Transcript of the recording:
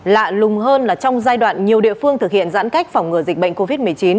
lạ lùng hơn là trong giai đoạn nhiều địa phương thực hiện giãn cách phòng ngừa dịch bệnh covid một mươi chín